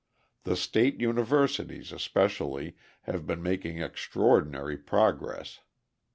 The state universities, especially, have been making extraordinary progress.